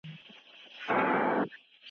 تاسو ټول د الله په وړاندې يو شان ياست؟